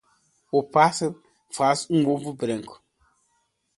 O passaro faz um ovo branco.